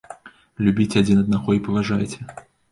Любіце адзін аднаго і паважайце!